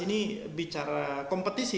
ini bicara kompetisi